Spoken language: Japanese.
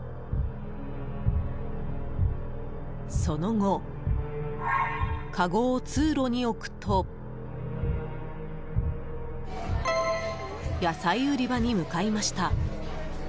その後、かごを通路に置くと野菜売り場に向かいました。